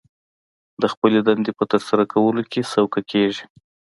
د خپلې دندې په ترسره کولو کې سوکه کېږي